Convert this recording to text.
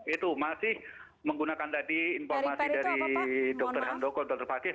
itu masih menggunakan tadi informasi dari dr handoko dr fakih